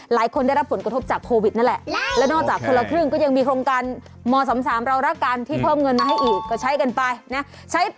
หลายคนจะรับผลกระทบจากโพวิดนั่นแหละฮะแล้วนอกจากครอบครึ่งกันยังมีโครงการว่าสำคัญเรารับการที่เพิ่มเงินมาให้อีกก็ใช้กันไปใช้